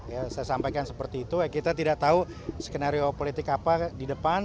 ya saya sampaikan seperti itu kita tidak tahu skenario politik apa di depan